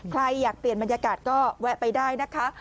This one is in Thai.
ใครอยากเปลี่ยนบรรยากาศก็แวะไปได้นะคะ